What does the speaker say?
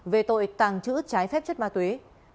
về tội tàng trữ trái phép chất ma túy